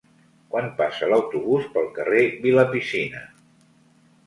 Quan passa l'autobús pel carrer Vilapicina?